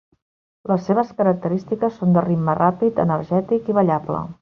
Les seves característiques són de ritme ràpid, energètic i ballable.